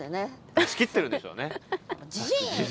出し切ってるんでしょうね。